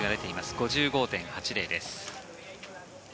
５５．８０です。